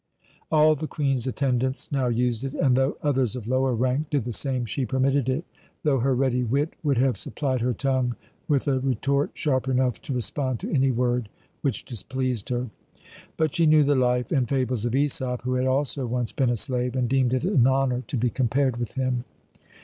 All the Queen's attendants now used it, and though others of lower rank did the same, she permitted it, though her ready wit would have supplied her tongue with a retort sharp enough to respond to any word which displeased her. But she knew the life and fables of Æsop, who had also once been a slave, and deemed it an honour to be compared with him.